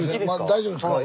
大丈夫ですか？